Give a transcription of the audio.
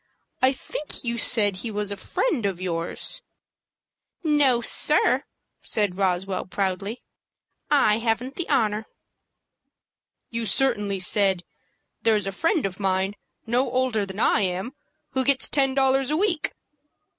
"I think you said he was a friend of yours." "No, sir," said Roswell, proudly; "I haven't the honor." "You certainly said 'There's a friend of mine, no older than I am, who gets ten dollars a week.'"